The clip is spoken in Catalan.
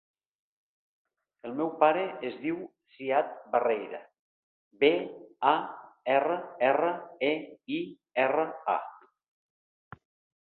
El meu pare es diu Ziad Barreira: be, a, erra, erra, e, i, erra, a.